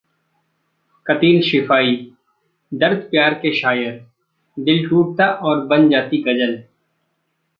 क़तील शिफ़ाई: दर्द-प्यार के शायर, दिल टूटता और बन जाती गज़ल